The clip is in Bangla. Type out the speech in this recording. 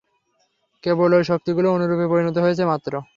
কেবল ঐ শক্তিগুলি অন্যরূপে পরিণত হইয়াছে মাত্র।